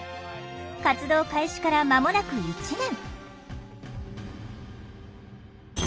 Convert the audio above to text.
活動開始から間もなく１年。